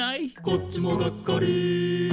「こっちもがっかり」